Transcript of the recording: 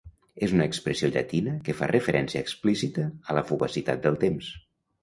És una expressió llatina que fa referència explícita a la fugacitat del temps.